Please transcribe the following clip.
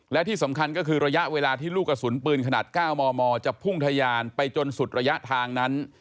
และที่สำคัญก็คือระยะเวลาที่ลูกกระสุนปืนขนาด๙มมจะพุ่งทะยานไปจนสุดระยะทางนั้น